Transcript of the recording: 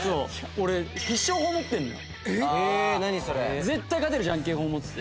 俺必勝法持ってるのよ。